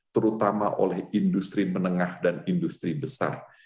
terutama oleh industri menengah dan industri besar